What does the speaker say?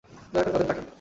দয়া করে তাদের ডাকেন।